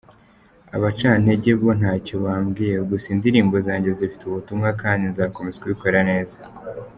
Abacantege bo ntacyo bambwiye gusa indirimbo zanjye zifite ubutumwa kandi nzakomeza kubikora neza”.